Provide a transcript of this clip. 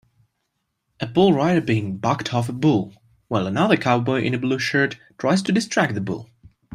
A bull rider being bucked off a bull while another cowboy in a blue shirt tries to distract the bull